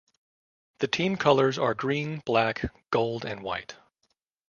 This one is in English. The team colours are green, black, gold and white.